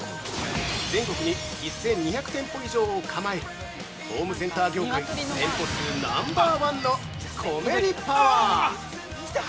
全国に１２００店舗以上を構えるホームセンター業界店舗数ナンバー１のコメリパワー。